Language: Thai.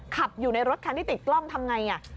ขับรถอยู่ในรถคันที่ติดกล้องทำไง